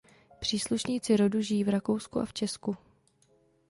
Příslušníci rodu žijí v Rakousku a v Česku.